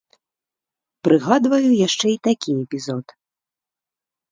Прыгадваю яшчэ і такі эпізод.